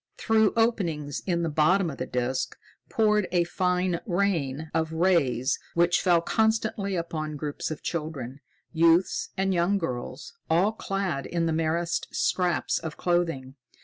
Through openings in the bottom of the disc poured a fine rain of rays which fell constantly upon groups of children, youths and young girls, all clad in the merest scraps of clothing.